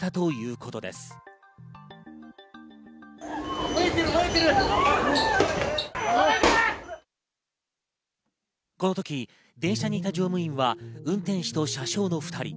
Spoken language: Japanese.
このとき、電車にいた乗務員は運転士と車掌の２人。